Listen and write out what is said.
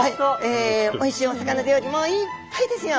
おいしいお魚料理もいっぱいですよ！